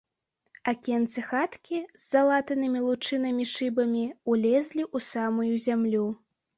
Акенцы хаткі, з залатанымі лучынамі шыбамі, улезлі ў самую зямлю.